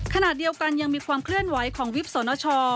ขณะเดียวกันยังมีความเคลื่อนไหวของวิบสนช